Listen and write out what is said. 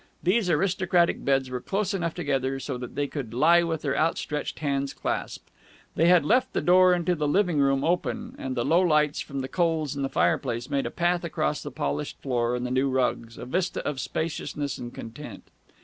These aristocratic beds were close enough together so that they could lie with their out stretched hands clasped. They had left the door into the living room open, and the low lights from the coals in the fireplace made a path across the polished floor and the new rugs a vista of spaciousness and content.